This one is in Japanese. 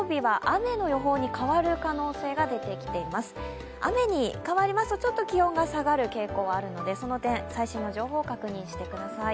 雨に変わりますと、ちょっと気温が下がる傾向があるのでその点、最新の情報を確認してください。